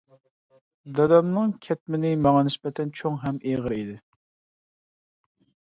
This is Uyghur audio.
دادامنىڭ كەتمىنى ماڭا نىسبەتەن چوڭ ھەم ئېغىر ئىدى.